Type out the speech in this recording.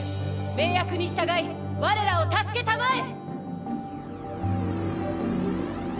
盟約に従い我らを助けたまえ！